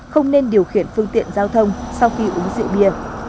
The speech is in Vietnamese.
không nên điều khiển phương tiện giao thông sau khi uống rượu bia